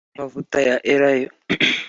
rw amavuta ya elayo